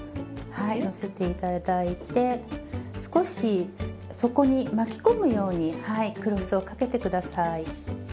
はい載せて頂いて少し底に巻き込むようにクロスを掛けて下さい。